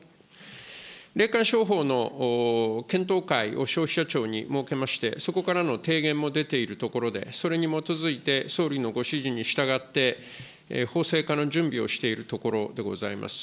霊感商法の検討会を消費者庁に設けまして、そこからの提言も出ているところで、それに基づいて総理のご指示に従って、法制化の準備をしているところでございます。